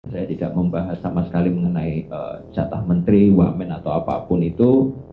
saya tidak membahas sama sekali mengenai jatah menteri wamen atau apapun itu